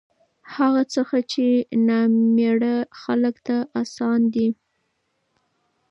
هغه څخه چې نامېړه خلکو ته اسان دي